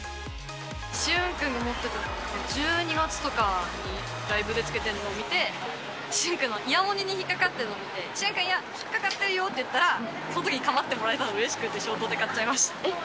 しゆん君が持ってた、１２月とかにライブでつけてるのを見て、しゆん君のイヤモニに引っ掛かってるのを見て、しゆん君、引っ掛かってるよって言ったら、そのときに構ってもらえたのがうれしくて衝動で買っちゃいました。